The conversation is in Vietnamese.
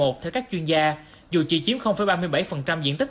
theo các chuyên gia dù chỉ chiếm ba mươi bảy diện tích